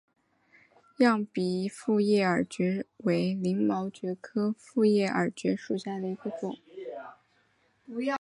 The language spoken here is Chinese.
漾濞复叶耳蕨为鳞毛蕨科复叶耳蕨属下的一个种。